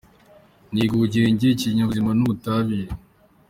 Niga Ubugenge, Ibinyabuzima n'Ubutabire.